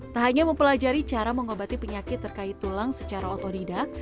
tak hanya mempelajari cara mengobati penyakit terkait tulang secara otodidak